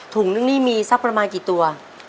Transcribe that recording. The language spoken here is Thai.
นึงนี่มีสักประมาณกี่ตัว